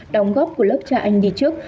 đóng góp của lớp cha anh gì trước